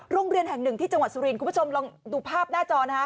โรงเรียนแห่งหนึ่งที่จังหวัดสุรินทร์คุณผู้ชมลองดูภาพหน้าจอนะฮะ